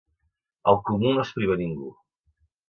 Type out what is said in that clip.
El comú no es priva a ningú.